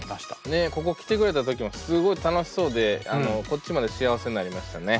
ねここ来てくれた時もすごい楽しそうでこっちまで幸せになりましたね。